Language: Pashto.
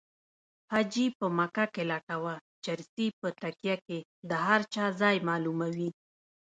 حاجي په مکه کې لټوه چرسي په تکیه کې د هر چا ځای معلوموي